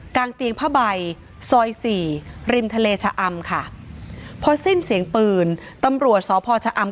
กางเตียงพระบ่ายซอย๔ริมทะเลชะอำค่ะพอสิ้นเสียงปืนตำรวจสอบพ่อชะอำ